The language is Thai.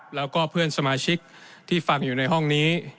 แล้วก็เพื่อนสมาชิกที่ฟังอยู่ในห้องนี้